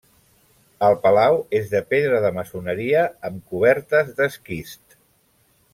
El palau és de pedra de maçoneria amb cobertes d'esquist.